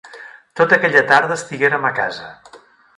Tota aquella tarda estiguérem a casa.